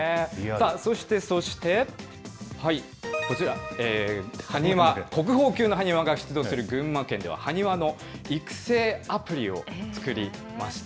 そしてそして、こちら、埴輪、国宝級の埴輪が出土する群馬県では、埴輪の育成アプリを作りました。